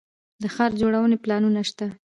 د ښار جوړونې پلانونه شته